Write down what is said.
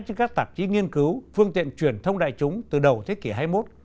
trên các tạp chí nghiên cứu phương tiện truyền thông đại chúng từ đầu thế kỷ hai mươi một